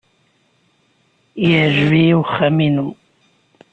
Yeɛjeb-iyi uxxam-inu.